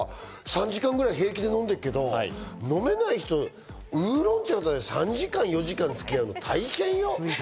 お酒飲める人は３時間ぐらい平気で飲んでっけど、飲めない人、ウーロン茶で３時間、４時間付き合うの大変よ。